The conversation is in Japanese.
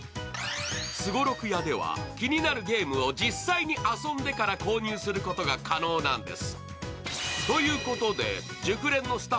すごろくやでは、気になるゲームを遊んでから購入することが可能なんです。